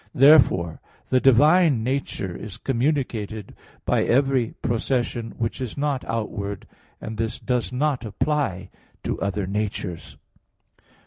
Therefore the divine nature is communicated by every procession which is not outward, and this does not apply to other natures.